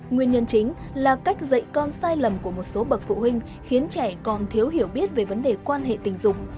nguyên nhân chính là cách dạy con sai lầm của một số bậc phụ huynh khiến trẻ còn thiếu hiểu biết về vấn đề quan hệ tình dục